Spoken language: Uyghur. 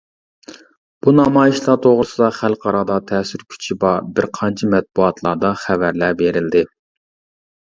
بۇ نامايىشلار توغرىسىدا خەلقئارادا تەسىر كۈچى بار بىر قانچە مەتبۇئاتلاردا خەۋەرلەر بېرىلدى.